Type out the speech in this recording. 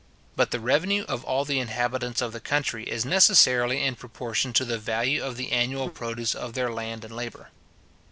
But the revenue of all the inhabitants of the country is necessarily in proportion to the value of the annual produce of their land and labour.